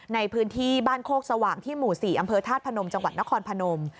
ในพื้นที่บ้านโคกสว่างที่หมู่๔อำเภอธาตุพนมจังหวัดนครพนม